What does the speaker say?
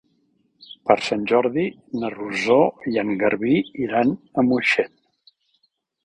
Per Sant Jordi na Rosó i en Garbí iran a Moixent.